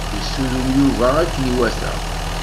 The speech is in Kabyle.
Yessudun Yuba akken iwata.